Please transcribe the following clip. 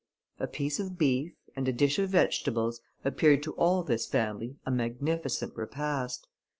A piece of beef, and a dish of vegetables, appeared to all this family a magnificent repast.